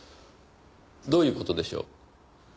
どういう事でしょう？